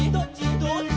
「どっち」